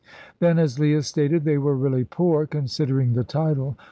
Then, as Leah stated, they were really poor, considering the title.